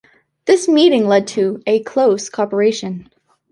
This meeting led to a close cooperation.